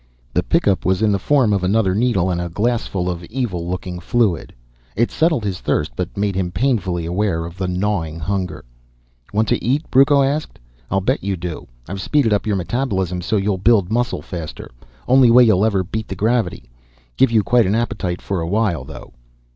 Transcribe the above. The pickup was in the form of another needle and a glassful of evil looking fluid. It settled his thirst, but made him painfully aware of gnawing hunger. "Want to eat?" Brucco asked. "I'll bet you do. I've speeded up your metabolism so you'll build muscle faster. Only way you'll ever beat the gravity. Give you quite an appetite for a while though."